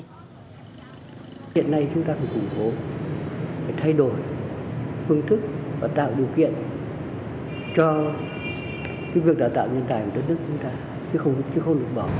hiện nay chúng ta phải củng cố phải thay đổi phương thức và tạo điều kiện cho việc đào tạo nhân tài của đất nước chúng ta chứ không chứ không được bỏ